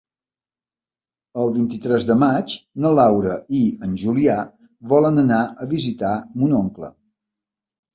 El vint-i-tres de maig na Laura i en Julià volen anar a visitar mon oncle.